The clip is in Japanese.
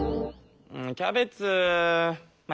キャベツ。